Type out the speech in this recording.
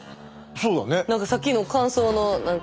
そうだね。